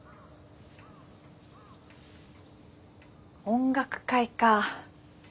音楽会かあ。